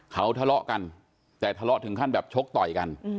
เขาทะเลาะกันแต่ทะเลาะถึงขั้นแบบชกต่อยกัน